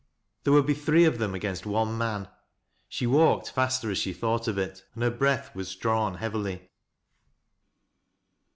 There would be three of them against one man. She walked faster as she thought of it, and her breath was h'awn heavily.